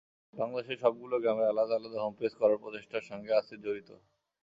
বাংলাদেশের সবগুলো গ্রামের আলাদা আলাদা হোমপেজ করার প্রচেষ্টার সঙ্গে আসির জড়িত।